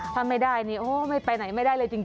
ถ้าไม่ได้นี่โอ้ไม่ไปไหนไม่ได้เลยจริง